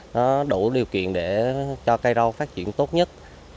nó đủ điều kiện để cho cây rau phát triển tốt nhất